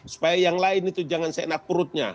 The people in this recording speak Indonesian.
supaya yang lain itu jangan seenak perutnya